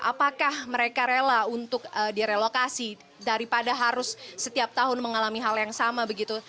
apakah mereka rela untuk direlokasi daripada harus setiap tahun mengalami hal yang sama begitu